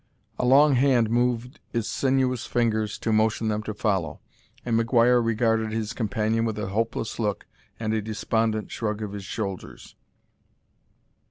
A long hand moved its sinuous fingers to motion them to follow, and McGuire regarded his companion with a hopeless look and a despondent shrug of his shoulders.